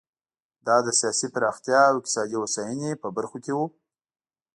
دا د سیاسي پراختیا او اقتصادي هوساینې په برخو کې و.